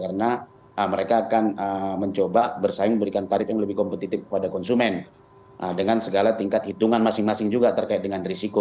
karena mereka akan mencoba bersaing berikan tarif yang lebih kompetitif pada konsumen dengan segala tingkat hitungan masing masing juga terkait dengan risiko